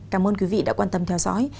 cảm ơn quý vị đã quan tâm theo dõi